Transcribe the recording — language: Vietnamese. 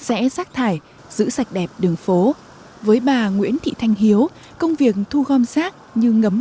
rẽ rác thải giữ sạch đẹp đường phố với bà nguyễn thị thanh hiếu công việc thu gom rác như ngấm